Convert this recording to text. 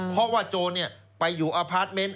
เพราะว่าโจรไปอยู่อพาร์ทเมนต์